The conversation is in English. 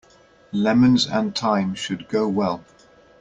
Lemons and thyme should go well.